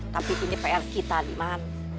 tapi ini pr kita di man